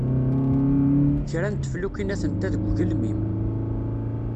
Kra n teflukin atent-a deg ugelmim.